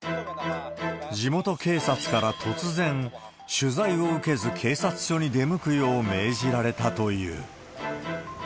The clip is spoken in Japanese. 地元警察から突然、取材を受けず警察署に出向くよう命じられたという。